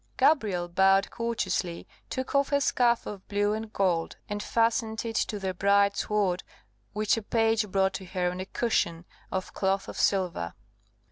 Gabrielle bowed courteously, took off her scarf of blue and gold, and fastened it to a bright sword, which a page brought to her on a cushion of cloth of silver.